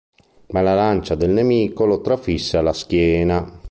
Ma una lancia del nemico lo trafisse alla schiena.